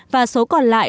và số còn lại